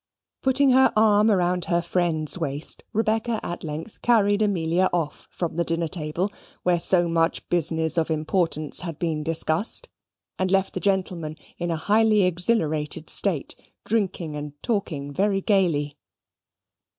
Putting her arm round her friend's waist, Rebecca at length carried Amelia off from the dinner table where so much business of importance had been discussed, and left the gentlemen in a highly exhilarated state, drinking and talking very gaily.